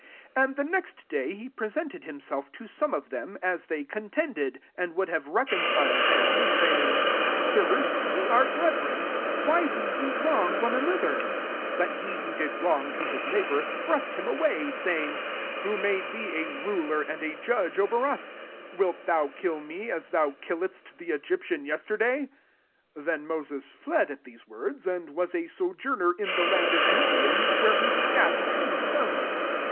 £6 "And the next day he pre sented himself to aome of them, as they contended, and would have reconciled them, saying, ' Sirs, ye are brethren : why do ye wrong one another ?' S7 But he who did wrong to his neigh bour thrust him away, saying, * Who made thee a ruler and a judge over us ? £8 Wilt thou kill me, as thou killedst die Egyptian yesterday ?' 29 Thea Moses fled at these words ; aud was a sojourner in the land of Midian, where he begat tiMro sons.